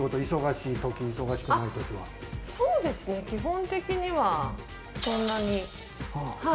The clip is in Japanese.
そうですね、基本的にはそんなに。